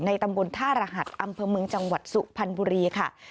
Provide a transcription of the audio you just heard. ตำบลท่ารหัสอำเภอเมืองจังหวัดสุพรรณบุรีค่ะ